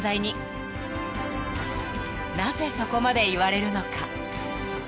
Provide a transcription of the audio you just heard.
［なぜそこまで言われるのか？］